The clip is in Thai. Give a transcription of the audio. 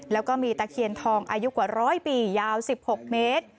แล้วก็มีตะเคียนทองอายุกว่า๑๐๐ปียาว๑๖เมตร